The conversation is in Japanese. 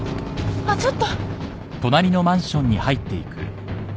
ちょっちょっと。